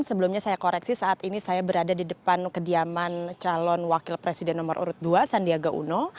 sebelumnya saya koreksi saat ini saya berada di depan kediaman calon wakil presiden nomor urut dua sandiaga uno